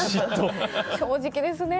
正直ですね。